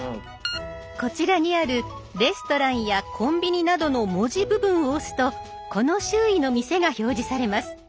こちらにある「レストラン」や「コンビニ」などの文字部分を押すとこの周囲の店が表示されます。